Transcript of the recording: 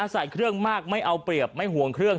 ใส่เครื่องมากไม่เอาเปรียบไม่ห่วงเครื่อง